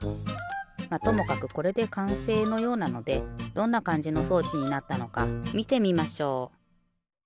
まっともかくこれでかんせいのようなのでどんなかんじの装置になったのかみてみましょう。